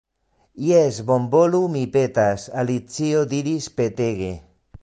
"Jes, bonvolu, mi petas," Alicio diris petege.